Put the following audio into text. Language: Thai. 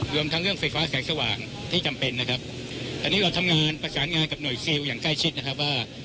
รวมทั้งเรื่องไฟฟ้าแสงสว่างที่จำเป็นนะครับอันนี้เราทำงานประสานงานกับหน่วยซิลอย่างใกล้ชิดนะครับว่า